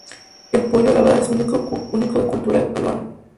El pollo a la brasa es un ícono cultural peruano.